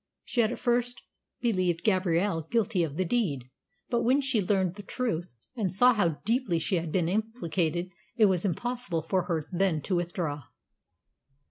She had at first believed Gabrielle guilty of the deed, but when she learned the truth and saw how deeply she had been implicated it was impossible for her then to withdraw.